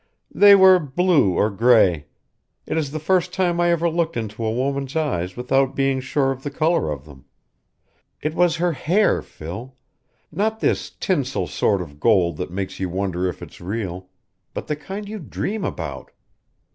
"They were blue or gray. It is the first time I ever looked into a woman's eyes without being sure of the color of them. It was her hair, Phil not this tinsel sort of gold that makes you wonder if it's real, but the kind you dream about.